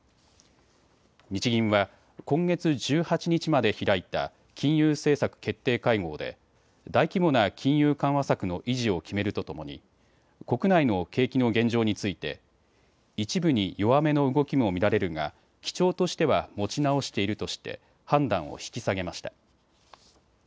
日銀は今月１８日まで開いた金融政策決定会合で大規模な金融緩和策の維持を決めるとともに国内の景気の現状について一部に弱めの動きも見られるが基調としては持ち直しているとして判断を引き下げました。